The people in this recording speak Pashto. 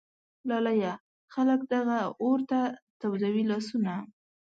لالیه ! خلک دغه اور ته تودوي لاسونه